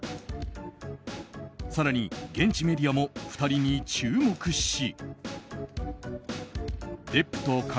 更に、現地メディアも２人に注目し。